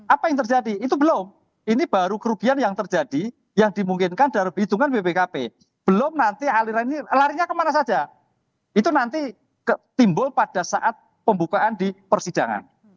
apa yang terjadi itu belum ini baru kerugian yang terjadi yang dimungkinkan dalam hitungan bpkp belum nanti aliran ini larinya kemana saja itu nanti timbul pada saat pembukaan di persidangan